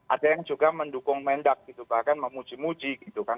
ada yang juga mendukung mendak gitu bahkan memuji muji gitu kan